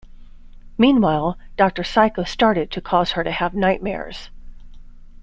Meanwhile, Doctor Psycho started to cause her to have nightmares.